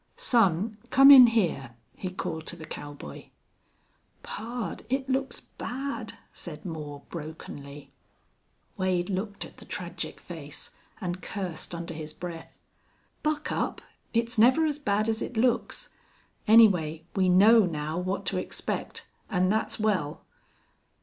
"Son, come in here," he called to the cowboy. "Pard, it looks bad!" said Moore, brokenly. Wade looked at the tragic face and cursed under his breath. "Buck up! It's never as bad as it looks. Anyway, we know now what to expect, an' that's well."